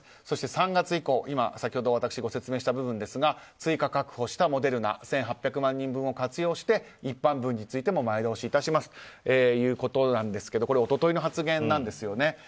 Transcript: そして３か月以降先ほどご説明した部分ですが追加確保したモデルナの１８００万人分を活用して一般分についても前倒ししますということなんですけど一昨日の発言ですね。